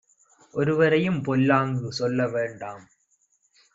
ஒருவரையும் பொல்லாங்கு சொல்ல வேண்டாம்